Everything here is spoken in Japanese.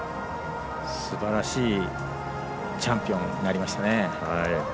すばらしいチャンピオンになりましたね。